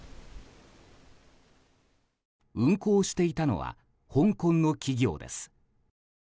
運航していたのは香港の企業です。